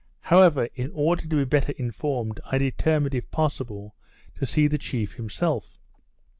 However, in order to be better informed, I determined, if possible, to see the chief himself.